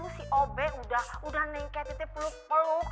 si obeng udah peluk peluk